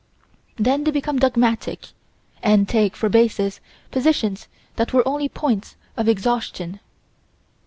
Then they become dogmatic, and take for bases, positions that were only points of exhaustion.